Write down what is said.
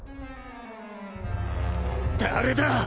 誰だ！